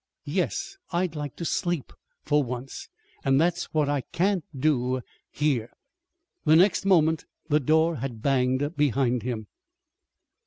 _" "Yes. I'd like to sleep for once. And that's what I can't do here." The next moment the door had banged behind him.